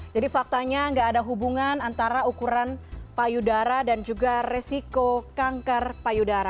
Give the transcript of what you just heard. faktanya nggak ada hubungan antara ukuran payudara dan juga resiko kanker payudara